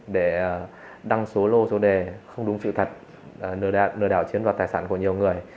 để đăng số lô số đề không đúng sự thật lừa đảo chiếm đoạt tài sản của nhiều người